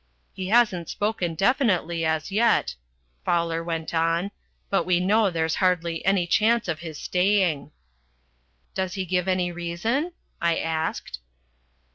"He hasn't spoken definitely as yet," Fowler went on, "but we know there's hardly any chance of his staying." "Does he give any reason?" I asked.